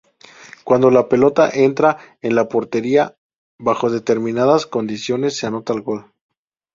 Cuando la pelota entra en la portería bajo determinadas condiciones, se anota gol.